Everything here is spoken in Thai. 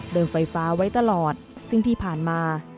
ไฟฟ้าไว้ตลอดซึ่งที่ผ่านมา